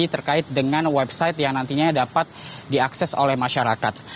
terkait dengan website yang nantinya dapat diakses oleh masyarakat